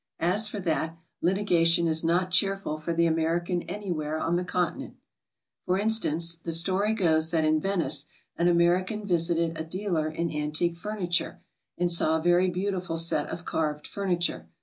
As for that, litigation is not cheerful for the American anywhere on the Continent. For instance, the story goes that in Venice an American visited a dealer in antique furniture and saw a very beautiful SOMEWHAT FINANCIAL. 203 set of carved furniture.